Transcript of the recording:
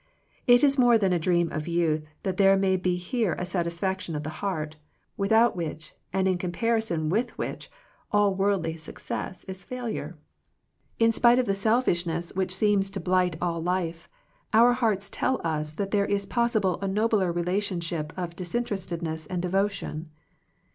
It is more than a dream of youth that there may be here a satisfaction of the heart, without which, and in comparison with which, all worldly success is failure, 13 Digitized by VjOOQIC THE MIRACLE OF FRIENDSHIP In spite of the selfishness which seems to blight all life, our hearts tell us that there is possible a nobler relationship, of disin terestedness and devotion.